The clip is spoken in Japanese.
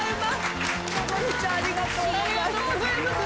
ありがとうございます。